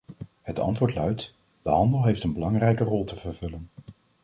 Het antwoord luidt: de handel heeft een belangrijke rol te vervullen.